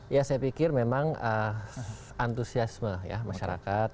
ya saya pikir memang antusiasme ya masyarakat